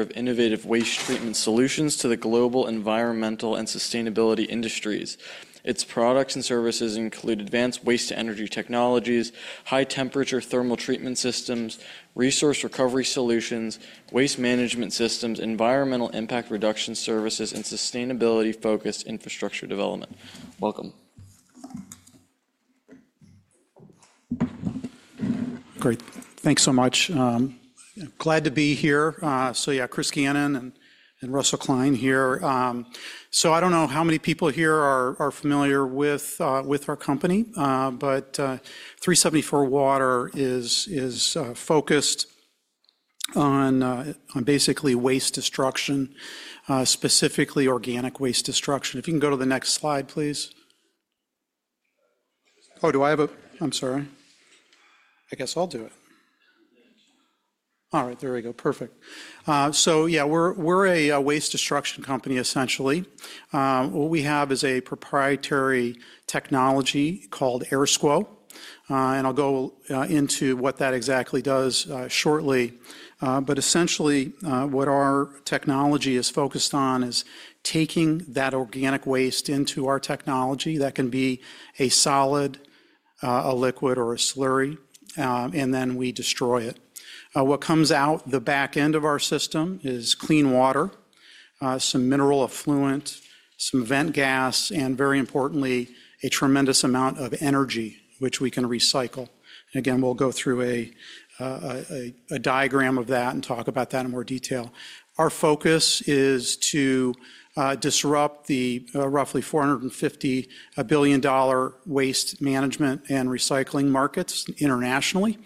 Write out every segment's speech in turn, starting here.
Chris Gannon is a provider of innovative waste treatment solutions to the global environmental and sustainability industries. Its products and services include advanced waste-to-energy technologies, high-temperature thermal treatment systems, resource recovery solutions, waste management systems, environmental impact reduction services, and sustainability-focused infrastructure development. Welcome. Great. Thanks so much. Glad to be here. Yeah, Chris Gannon and Russell Kline here. I don't know how many people here are familiar with our company, but 374Water is focused on basically waste destruction, specifically organic waste destruction. If you can go to the next slide, please. Oh, do I have a— I'm sorry. I guess I'll do it. All right, there we go. Perfect. Yeah, we're a waste destruction company, essentially. What we have is a proprietary technology called AirSCWO. I'll go into what that exactly does shortly. Essentially, what our technology is focused on is taking that organic waste into our technology that can be a solid, a liquid, or a slurry, and then we destroy it. What comes out the back end of our system is clean water, some mineral effluent, some vent gas, and very importantly, a tremendous amount of energy, which we can recycle. Again, we'll go through a diagram of that and talk about that in more detail. Our focus is to disrupt the roughly $450 billion waste management and recycling markets internationally.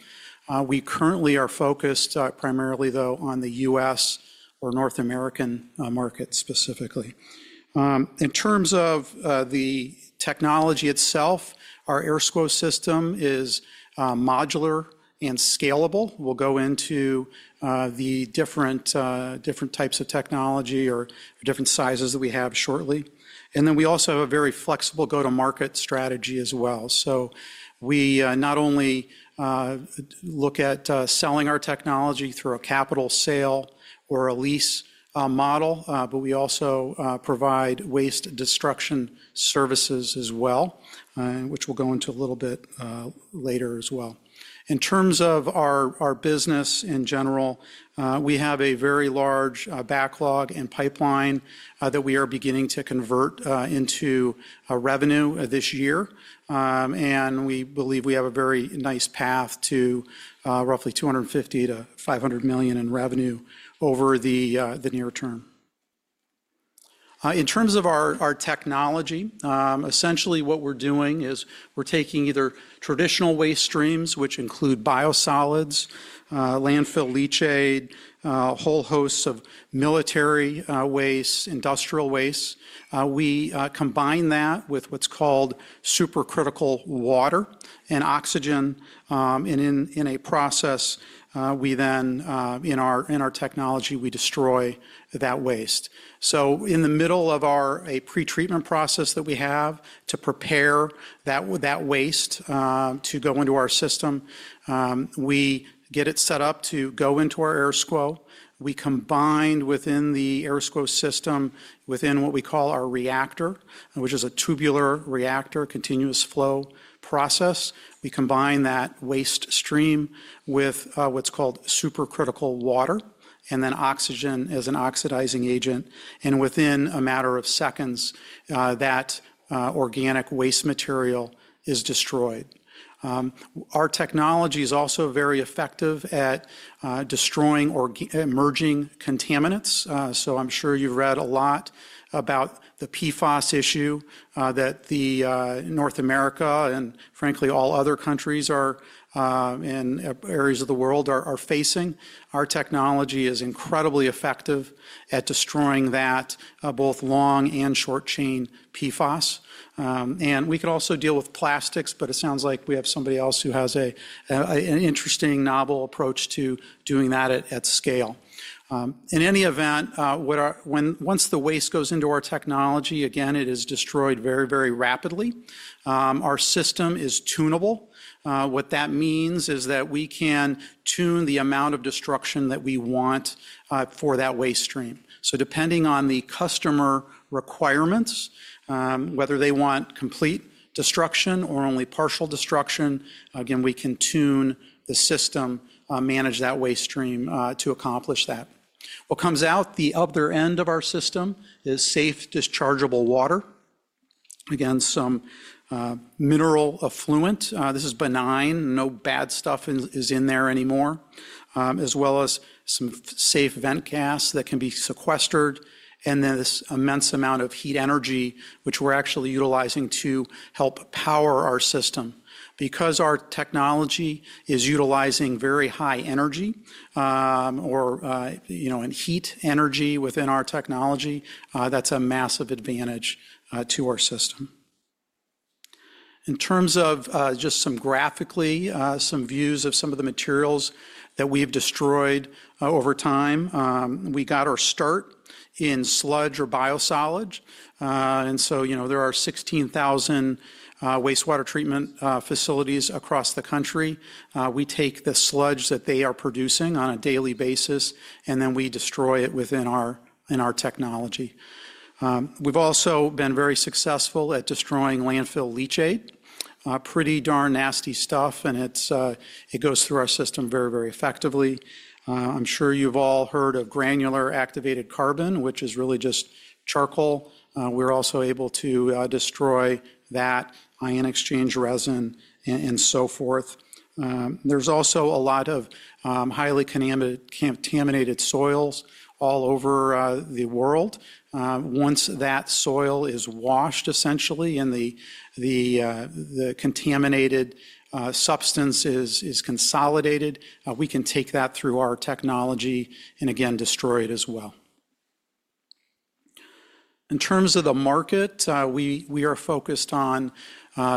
We currently are focused primarily, though, on the U.S. or North American market specifically. In terms of the technology itself, our AirSCWO system is modular and scalable. We'll go into the different types of technology or different sizes that we have shortly. We also have a very flexible go-to-market strategy as well. We not only look at selling our technology through a capital sale or a lease model, but we also provide waste destruction services as well, which we'll go into a little bit later as well. In terms of our business in general, we have a very large backlog and pipeline that we are beginning to convert into revenue this year. We believe we have a very nice path to roughly $250 million to $500 million in revenue over the near term. In terms of our technology, essentially what we're doing is we're taking either traditional waste streams, which include biosolids, landfill leachate, whole hosts of military waste, industrial waste. We combine that with what's called supercritical water and oxygen, and in a process, we then—in our technology—we destroy that waste. In the middle of a pre-treatment process that we have to prepare that waste to go into our system, we get it set up to go into our AirSCWO. We combine within the AirSCWO system within what we call our reactor, which is a tubular reactor, continuous flow process. We combine that waste stream with what's called supercritical water and then oxygen as an oxidizing agent. Within a matter of seconds, that organic waste material is destroyed. Our technology is also very effective at destroying emerging contaminants. I'm sure you've read a lot about the PFAS issue that North America and, frankly, all other countries in areas of the world are facing. Our technology is incredibly effective at destroying that, both long and short-chain PFAS. We can also deal with plastics, but it sounds like we have somebody else who has an interesting, novel approach to doing that at scale. In any event, once the waste goes into our technology, again, it is destroyed very, very rapidly. Our system is tunable. What that means is that we can tune the amount of destruction that we want for that waste stream. Depending on the customer requirements, whether they want complete destruction or only partial destruction, again, we can tune the system, manage that waste stream to accomplish that. What comes out the other end of our system is safe, dischargeable water, again, some mineral effluent. This is benign. No bad stuff is in there anymore, as well as some safe vent gas that can be sequestered. This immense amount of heat energy, which we're actually utilizing, helps power our system. Because our technology is utilizing very high energy or heat energy within our technology, that's a massive advantage to our system. In terms of just some graphically, some views of some of the materials that we have destroyed over time, we got our start in sludge or biosolids. There are 16,000 wastewater treatment facilities across the country. We take the sludge that they are producing on a daily basis, and then we destroy it within our technology. We've also been very successful at destroying landfill leachate. Pretty darn nasty stuff, and it goes through our system very, very effectively. I'm sure you've all heard of granular activated carbon, which is really just charcoal. We're also able to destroy that, ion-exchange resin, and so forth. There's also a lot of highly contaminated soils all over the world. Once that soil is washed, essentially, and the contaminated substance is consolidated, we can take that through our technology and, again, destroy it as well. In terms of the market, we are focused on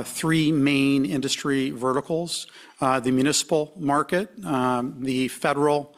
three main industry verticals: the municipal market, the federal,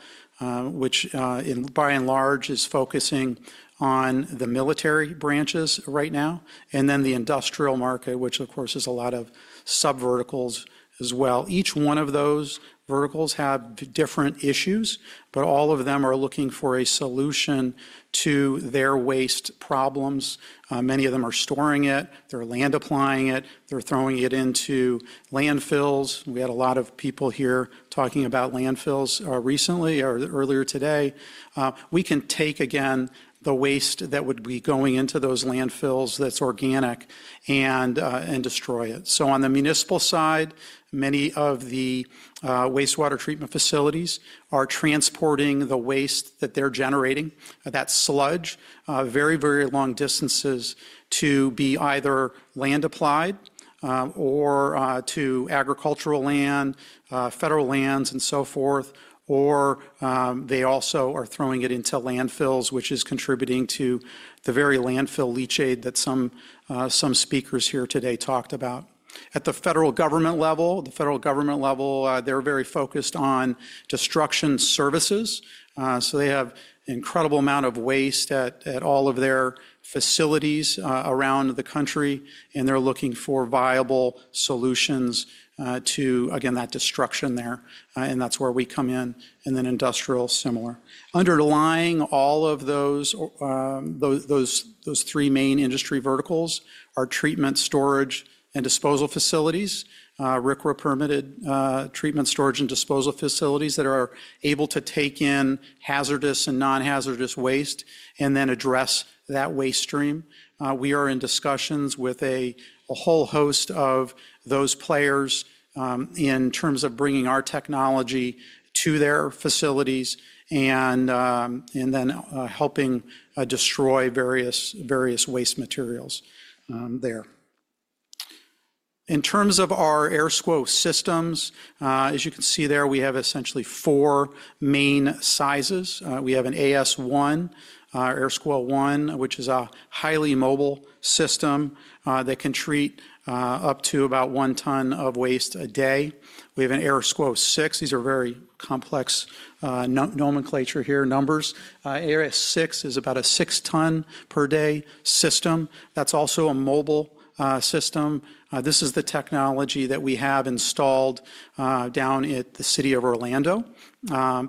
which by and large is focusing on the military branches right now, and then the industrial market, which, of course, is a lot of subverticals as well. Each one of those verticals has different issues, but all of them are looking for a solution to their waste problems. Many of them are storing it. They're land-applying it. They're throwing it into landfills. We had a lot of people here talking about landfills recently or earlier today. We can take, again, the waste that would be going into those landfills that's organic and destroy it. On the municipal side, many of the wastewater treatment facilities are transporting the waste that they're generating, that sludge, very, very long distances to be either land-applied to agricultural land, federal lands, and so forth, or they also are throwing it into landfills, which is contributing to the very landfill leachate that some speakers here today talked about. At the federal government level, they're very focused on destruction services. They have an incredible amount of waste at all of their facilities around the country, and they're looking for viable solutions to, again, that destruction there. That's where we come in, and then industrial, similar. Underlying all of those three main industry verticals are treatment, storage, and disposal facilities, RCRA permitted treatment, storage, and disposal facilities that are able to take in hazardous and non-hazardous waste and then address that waste stream. We are in discussions with a whole host of those players in terms of bringing our technology to their facilities and then helping destroy various waste materials there. In terms of our AirSCWO systems, as you can see there, we have essentially four main sizes. We have an AS1, AirSCWO 1, which is a highly mobile system that can treat up to about one ton of waste a day. We have an AirSCWO 6. These are very complex nomenclature here, numbers. AS6 is about a six-ton-per-day system. That's also a mobile system. This is the technology that we have installed down at the City of Orlando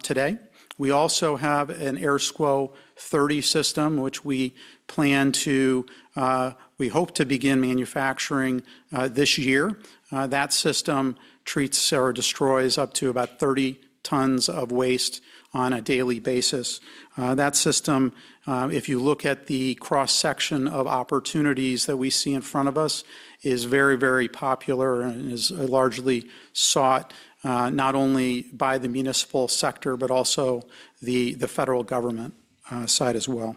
today. We also have an AirSCWO 30 system, which we plan to—we hope to begin manufacturing this year. That system treats or destroys up to about 30 tons of waste on a daily basis. That system, if you look at the cross-section of opportunities that we see in front of us, is very, very popular and is largely sought not only by the municipal sector, but also the federal government side as well.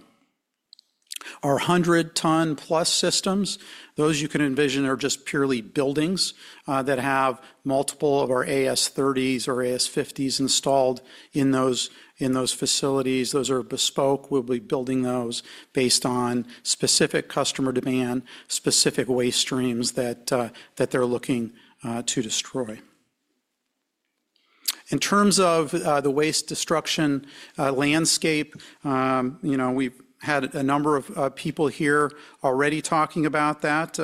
Our 100-ton-plus systems, those you can envision are just purely buildings that have multiple of our AS30s or AS50s installed in those facilities. Those are bespoke. We'll be building those based on specific customer demand, specific waste streams that they're looking to destroy. In terms of the waste destruction landscape, we've had a number of people here already talking about that.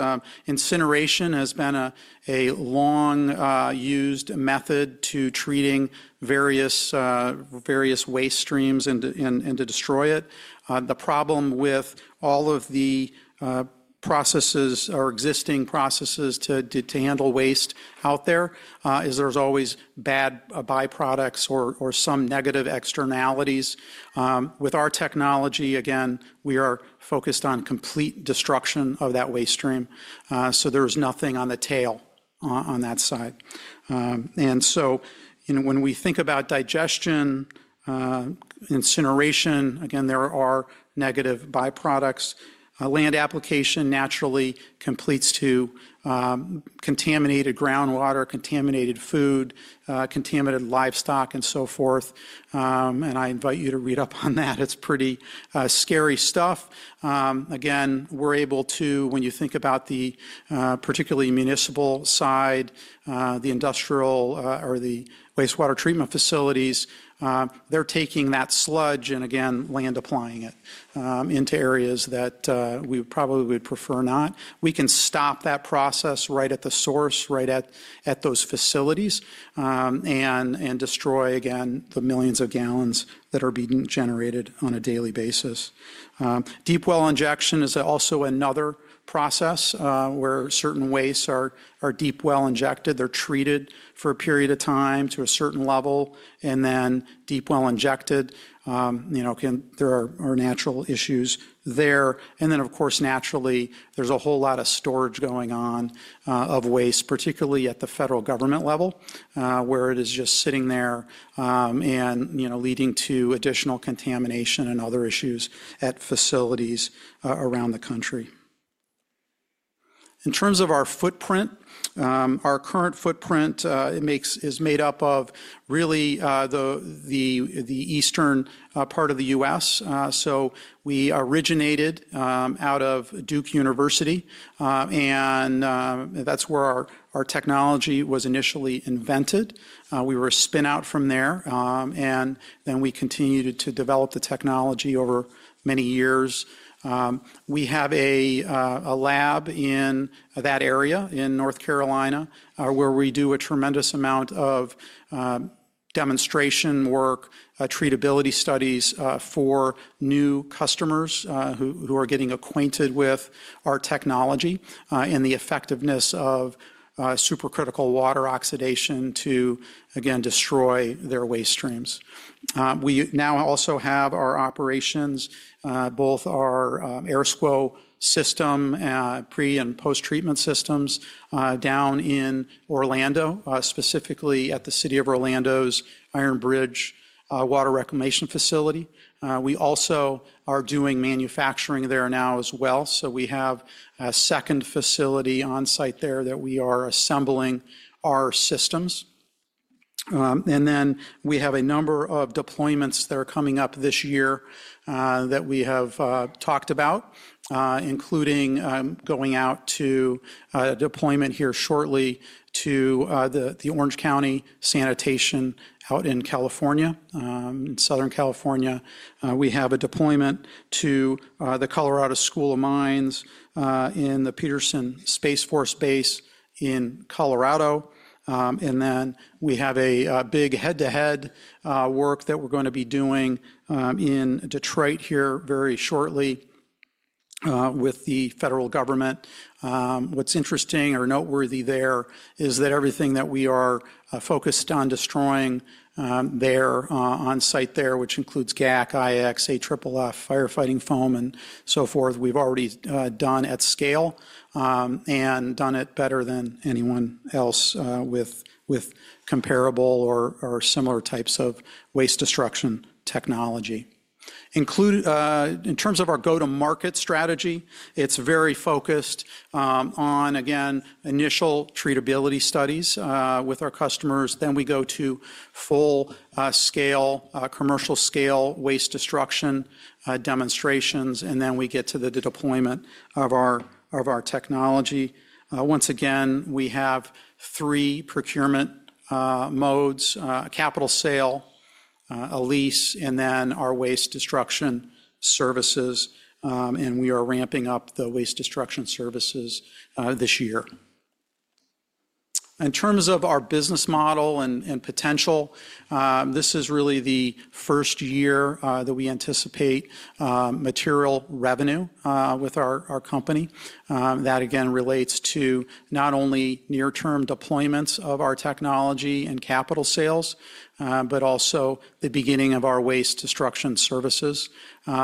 Incineration has been a long-used method to treating various waste streams and to destroy it. The problem with all of the existing processes to handle waste out there is there's always bad byproducts or some negative externalities. With our technology, again, we are focused on complete destruction of that waste stream. There is nothing on the tail on that side. When we think about digestion, incineration, again, there are negative byproducts. Land application naturally completes to contaminated groundwater, contaminated food, contaminated livestock, and so forth. I invite you to read up on that. It is pretty scary stuff. Again, we are able to, when you think about the particularly municipal side, the industrial or the wastewater treatment facilities, they are taking that sludge and, again, land-applying it into areas that we probably would prefer not. We can stop that process right at the source, right at those facilities, and destroy, again, the millions of gallons that are being generated on a daily basis. Deep well injection is also another process where certain waste are deep well injected. They're treated for a period of time to a certain level, and then deep well injected, there are natural issues there. Of course, naturally, there's a whole lot of storage going on of waste, particularly at the federal government level, where it is just sitting there and leading to additional contamination and other issues at facilities around the country. In terms of our footprint, our current footprint is made up of really the eastern part of the U.S. We originated out of Duke University, and that's where our technology was initially invented. We were a spinout from there, and then we continued to develop the technology over many years. We have a lab in that area in North Carolina where we do a tremendous amount of demonstration work, treatability studies for new customers who are getting acquainted with our technology and the effectiveness of supercritical water oxidation to, again, destroy their waste streams. We now also have our operations, both our AirSCWO system, pre and post-treatment systems down in Orlando, specifically at the City of Orlando's Iron Bridge Water Reclamation Facility. We also are doing manufacturing there now as well. We have a second facility on site there that we are assembling our systems. We have a number of deployments that are coming up this year that we have talked about, including going out to a deployment here shortly to the Orange County Sanitation out in California, in Southern California. We have a deployment to the Colorado School of Mines and the Peterson Space Force Base in Colorado. We have a big head-to-head work that we're going to be doing in Detroit here very shortly with the federal government. What's interesting or noteworthy there is that everything that we are focused on destroying there on site, which includes GAC, IX, AFFF, firefighting foam, and so forth, we've already done at scale and done it better than anyone else with comparable or similar types of waste destruction technology. In terms of our go-to-market strategy, it's very focused on, again, initial treatability studies with our customers. We go to full-scale, commercial-scale waste destruction demonstrations, and then we get to the deployment of our technology. Once again, we have three procurement modes: capital sale, a lease, and then our waste destruction services. We are ramping up the waste destruction services this year. In terms of our business model and potential, this is really the first year that we anticipate material revenue with our company. That, again, relates to not only near-term deployments of our technology and capital sales, but also the beginning of our waste destruction services.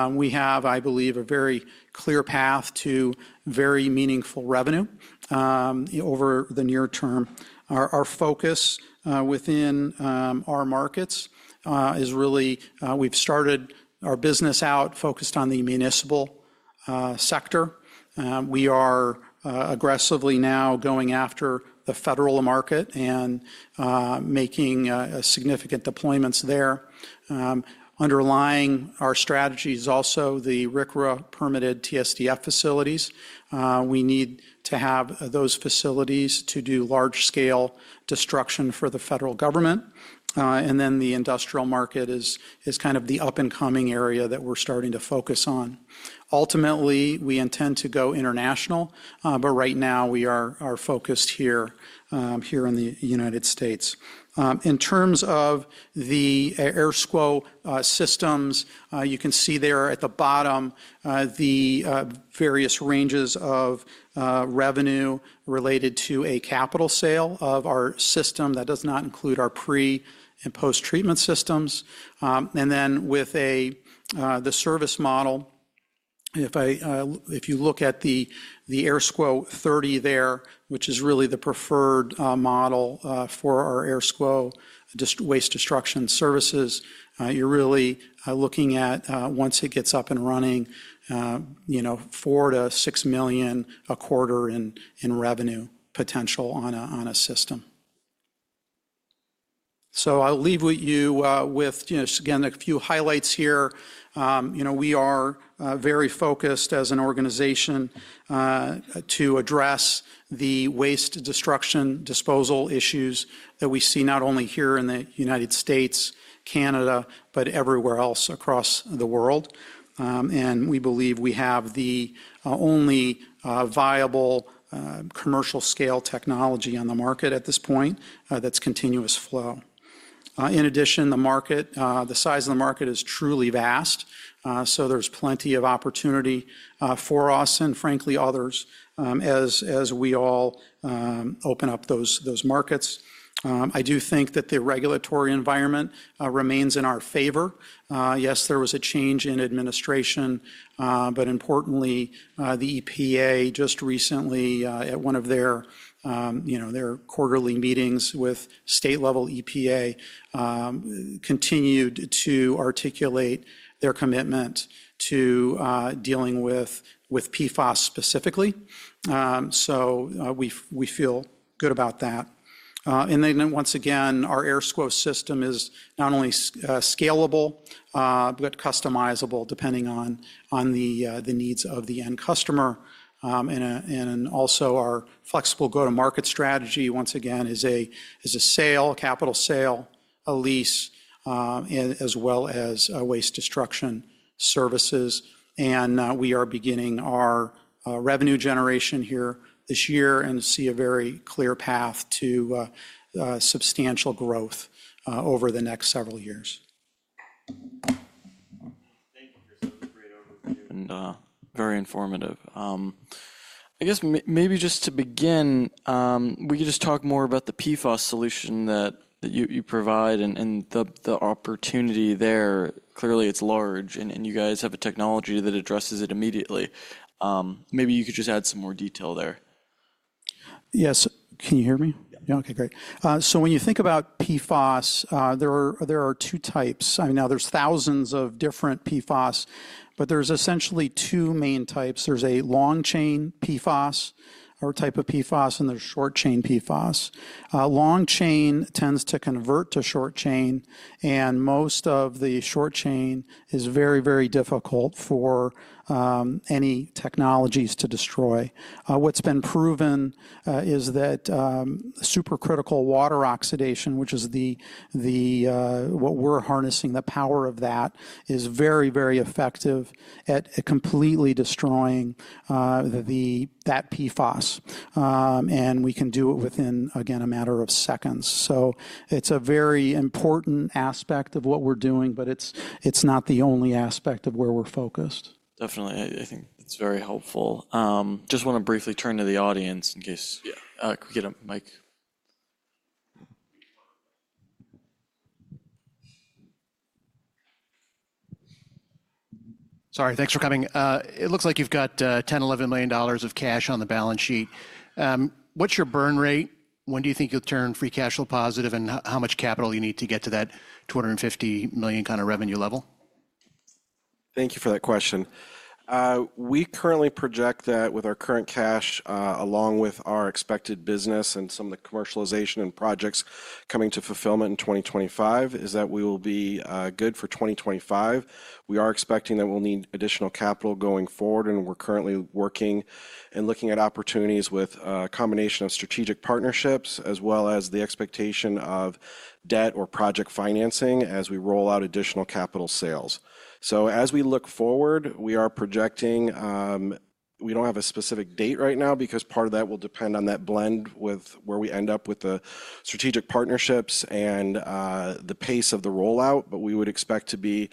We have, I believe, a very clear path to very meaningful revenue over the near term. Our focus within our markets is really we've started our business out focused on the municipal sector. We are aggressively now going after the federal market and making significant deployments there. Underlying our strategy is also the RCRA permitted TSDF facilities. We need to have those facilities to do large-scale destruction for the federal government. The industrial market is kind of the up-and-coming area that we're starting to focus on. Ultimately, we intend to go international, but right now we are focused here in the United States. In terms of the AirSCWO systems, you can see there at the bottom the various ranges of revenue related to a capital sale of our system that does not include our pre and post-treatment systems. With the service model, if you look at the AirSCWO 30 there, which is really the preferred model for our AirSCWO waste destruction services, you are really looking at, once it gets up and running, $4 million-$6 million a quarter in revenue potential on a system. I will leave you with, again, a few highlights here. We are very focused as an organization to address the waste destruction disposal issues that we see not only here in the United States, Canada, but everywhere else across the world. We believe we have the only viable commercial-scale technology on the market at this point that is continuous flow. In addition, the size of the market is truly vast. There is plenty of opportunity for us and, frankly, others as we all open up those markets. I do think that the regulatory environment remains in our favor. Yes, there was a change in administration, but importantly, the EPA just recently at one of their quarterly meetings with state-level EPA continued to articulate their commitment to dealing with PFAS specifically. We feel good about that. Once again, our AirSCWO system is not only scalable, but customizable depending on the needs of the end customer. Also, our flexible go-to-market strategy, once again, is a sale, capital sale, a lease, as well as waste destruction services. We are beginning our revenue generation here this year and see a very clear path to substantial growth over the next several years. Thank you, Chris. That was a great overview and very informative. I guess maybe just to begin, we could just talk more about the PFAS solution that you provide and the opportunity there. Clearly, it's large, and you guys have a technology that addresses it immediately. Maybe you could just add some more detail there. Yes. Can you hear me? Yeah. Okay. Great. When you think about PFAS, there are two types. I mean, now there's thousands of different PFAS, but there's essentially two main types. There's a long-chain PFAS or type of PFAS, and there's short-chain PFAS. Long-chain tends to convert to short-chain, and most of the short-chain is very, very difficult for any technologies to destroy. What's been proven is that supercritical water oxidation, which is what we're harnessing, the power of that is very, very effective at completely destroying that PFAS. We can do it within, again, a matter of seconds. It is a very important aspect of what we're doing, but it's not the only aspect of where we're focused. Definitely. I think it's very helpful. Just want to briefly turn to the audience in case we get a mic. Sorry. Thanks for coming. It looks like you've got $10 million, $11 million of cash on the balance sheet. What's your burn rate? When do you think you'll turn free cash flow positive and how much capital you need to get to that $250 million kind of revenue level? Thank you for that question. We currently project that with our current cash, along with our expected business and some of the commercialization and projects coming to fulfillment in 2025, is that we will be good for 2025. We are expecting that we'll need additional capital going forward, and we're currently working and looking at opportunities with a combination of strategic partnerships as well as the expectation of debt or project financing as we roll out additional capital sales. As we look forward, we are projecting we don't have a specific date right now because part of that will depend on that blend with where we end up with the strategic partnerships and the pace of the rollout, but we would expect to be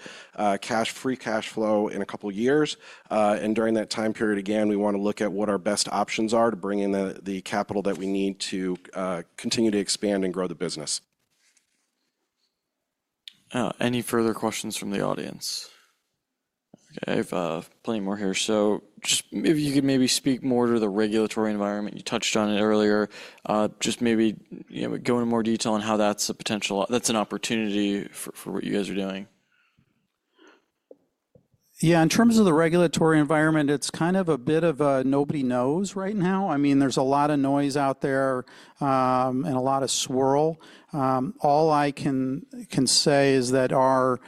free cash flow in a couple of years. During that time period, again, we want to look at what our best options are to bring in the capital that we need to continue to expand and grow the business. Any further questions from the audience? Okay. I have plenty more here. Just maybe you could maybe speak more to the regulatory environment. You touched on it earlier. Just maybe go into more detail on how that's an opportunity for what you guys are doing. Yeah. In terms of the regulatory environment, it's kind of a bit of a nobody knows right now. I mean, there's a lot of noise out there and a lot of swirl. All I can say is that our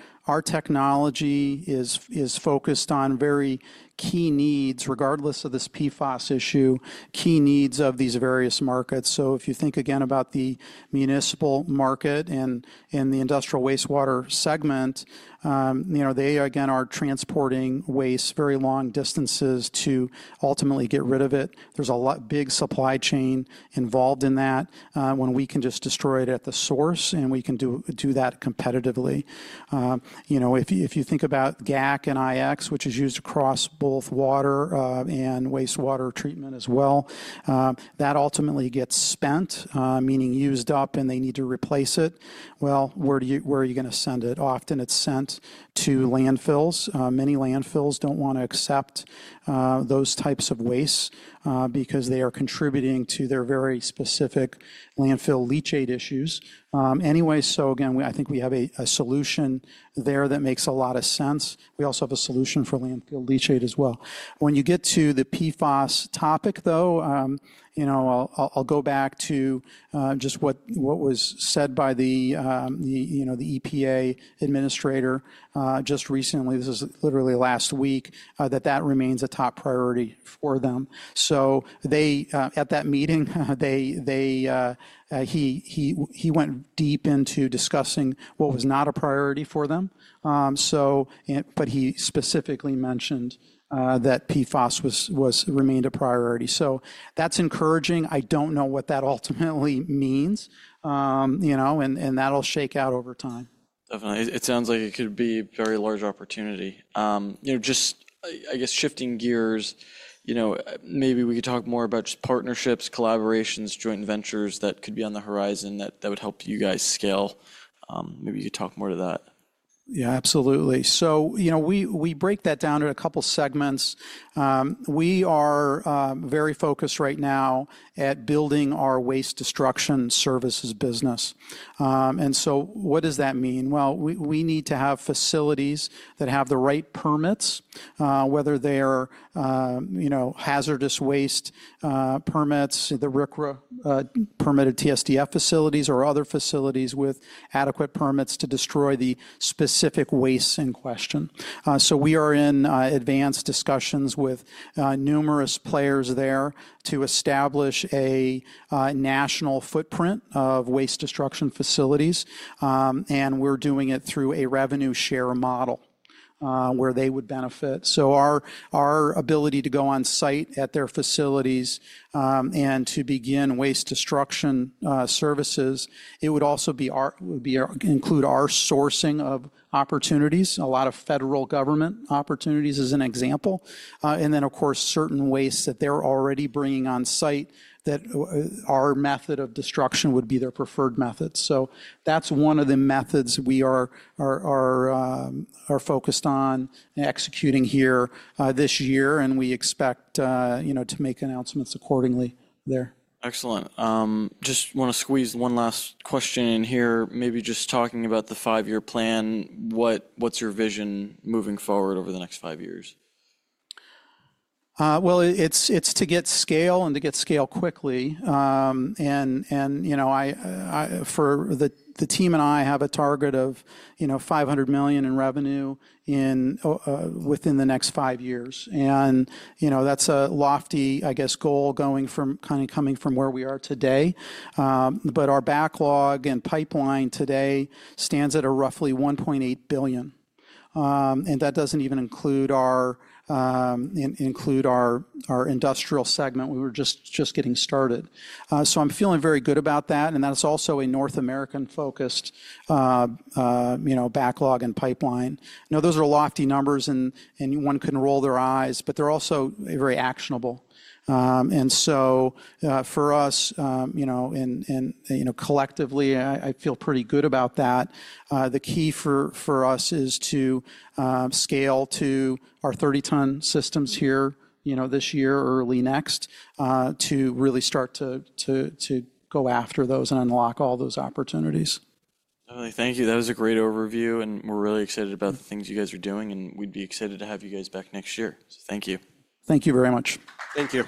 technology is focused on very key needs, regardless of this PFAS issue, key needs of these various markets. If you think again about the municipal market and the industrial wastewater segment, they, again, are transporting waste very long distances to ultimately get rid of it. There's a big supply chain involved in that when we can just destroy it at the source, and we can do that competitively. If you think about GAC and IX, which is used across both water and wastewater treatment as well, that ultimately gets spent, meaning used up, and they need to replace it. Well, where are you going to send it? Often it's sent to landfills. Many landfills don't want to accept those types of waste because they are contributing to their very specific landfill leachate issues. Anyway, I think we have a solution there that makes a lot of sense. We also have a solution for landfill leachate as well. When you get to the PFAS topic, though, I'll go back to just what was said by the EPA administrator just recently. This is literally last week that that remains a top priority for them. At that meeting, he went deep into discussing what was not a priority for them. He specifically mentioned that PFAS remained a priority. That's encouraging. I don't know what that ultimately means, and that'll shake out over time. Definitely. It sounds like it could be a very large opportunity. Just, I guess, shifting gears, maybe we could talk more about just partnerships, collaborations, joint ventures that could be on the horizon that would help you guys scale. Maybe you could talk more to that. Yeah, absolutely. We break that down into a couple of segments. We are very focused right now at building our waste destruction services business. What does that mean? We need to have facilities that have the right permits, whether they're hazardous waste permits, the RCRA permitted TSDF facilities, or other facilities with adequate permits to destroy the specific waste in question. We are in advanced discussions with numerous players there to establish a national footprint of waste destruction facilities, and we're doing it through a revenue share model where they would benefit. Our ability to go on site at their facilities and to begin waste destruction services would also include our sourcing of opportunities, a lot of federal government opportunities as an example. Of course, certain wastes that they're already bringing on site that our method of destruction would be their preferred method. That is one of the methods we are focused on executing here this year, and we expect to make announcements accordingly there. Excellent. Just want to squeeze one last question in here. Maybe just talking about the five-year plan, what's your vision moving forward over the next five years? It is to get scale and to get scale quickly. The team and I have a target of $500 million in revenue within the next five years. That is a lofty, I guess, goal kind of coming from where we are today. Our backlog and pipeline today stands at roughly $1.8 billion. That does not even include our industrial segment. We are just getting started. I am feeling very good about that. That is also a North American-focused backlog and pipeline. Those are lofty numbers, and one could roll their eyes, but they are also very actionable. For us, collectively, I feel pretty good about that. The key for us is to scale to our 30-ton systems here this year or early next to really start to go after those and unlock all those opportunities. Definitely. Thank you. That was a great overview, and we're really excited about the things you guys are doing, and we'd be excited to have you guys back next year. Thank you. Thank you very much. Thank you.